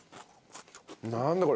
何だこれ。